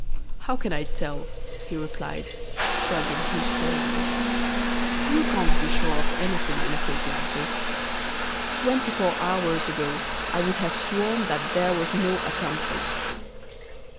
"'How can I tell?' he replied, shrugging his shoulders. 'You can't be sure of anything in a case like this. Twenty four hours ago I would have sworn that there was no accomplice!